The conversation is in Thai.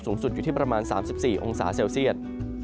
สูงสุดอยู่ที่ประมาณ๓๔องศาเซลเซียต